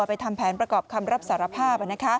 ไปทำแผนประกอบคำรับสารภาพ